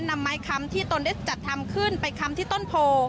นำไม้คำที่ตนได้จัดทำขึ้นไปคำที่ต้นโพ